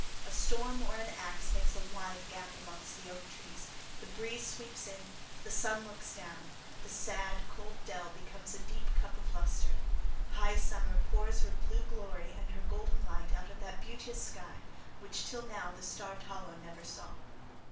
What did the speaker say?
A storm or an axe makes a wide gap amongst the oak trees; the breeze sweeps in; the sun looks down; the sad, cold dell becomes a deep cup of lustre; high summer pours her blue glory and her golden light out of that beauteous sky, which till now the starved hollow never saw.